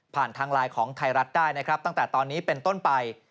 ทางไลน์ของไทยรัฐได้นะครับตั้งแต่ตอนนี้เป็นต้นไป